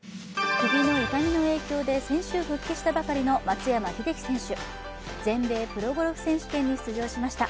首の痛みの影響で先週復帰したばかりの松山英樹選手、全米プロゴルフ選手権に出場しました。